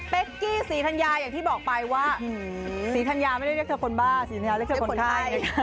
เป็นกี้ศรีธัญญาอย่างที่บอกไปว่าศรีธัญญาไม่ได้เรียกเธอคนบ้าศรีธัญญาเรียกเธอคนไข้